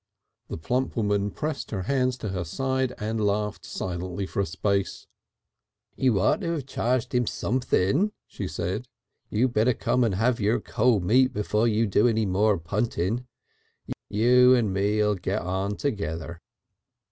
The plump woman pressed her hands to her sides and laughed silently for a space. "You ought to have charged him sumpthing," she said. "You better come and have your cold meat, before you do any more puntin'. You and me'll get on together."